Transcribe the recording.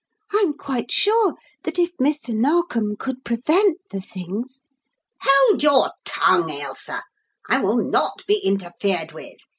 I am quite sure that if Mr. Narkom could prevent the things " "Hold your tongue, Ailsa I will not be interfered with!